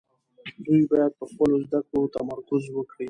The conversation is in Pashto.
دوی باید په خپلو زده کړو تمرکز وکړي.